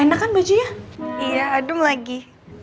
enak kan bajunya iya adem lagi